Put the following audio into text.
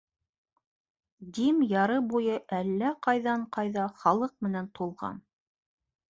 Дим яры буйы әллә ҡайҙан-ҡайҙа халыҡ менән тулған.